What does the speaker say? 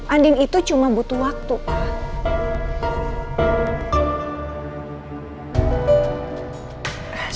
andin itu cuma butuh waktu pak